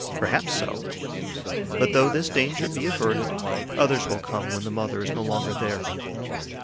Perhaps so. But, though this danger be averted, others will come when the mother is no longer there.